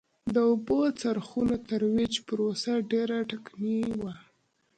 د اوبو څرخونو ترویج پروسه ډېره ټکنۍ وه